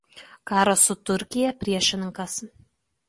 Karo su Turkija priešininkas.